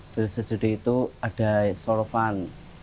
terus sesudah itu ada sorban